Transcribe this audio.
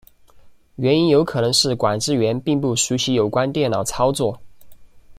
原因有可能是管制员并不熟习有关电脑操作。